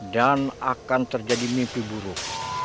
dan akan terjadi mimpi buruk